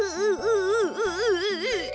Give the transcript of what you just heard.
うう。